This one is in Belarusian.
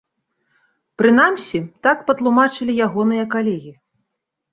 Прынамсі, так патлумачылі ягоныя калегі.